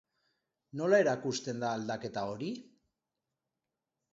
Nola erakusten da aldaketa hori?